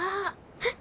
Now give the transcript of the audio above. えっ。